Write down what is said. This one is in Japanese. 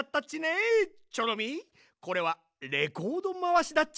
チョロミーこれはレコードまわしだっち。